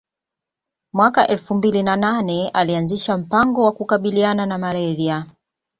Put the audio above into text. Mwaka elfu mbili na nane alianzisha mpango wa kukabiliana na Malaria